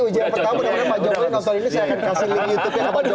uji yang pertama